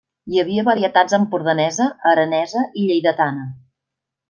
Hi havia varietats empordanesa, aranesa i lleidatana.